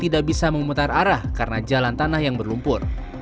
tidak bisa memutar arah karena jalan tanah yang berlumpur